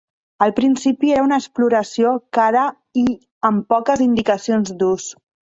Al principi era una exploració cara i amb poques indicacions d'ús.